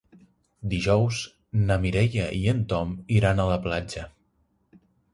Dijous na Mireia i en Tom iran a la platja.